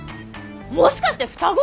もしかして双子？